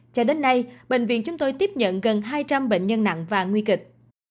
cho đến nay bệnh viện chúng tôi tiếp nhận gần hai trăm linh bệnh nhân nặng và nguy kịch